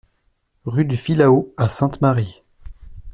Rue du Filao à Sainte-Marie